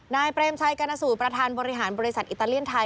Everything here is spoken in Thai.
เปรมชัยกรณสูตรประธานบริหารบริษัทอิตาเลียนไทย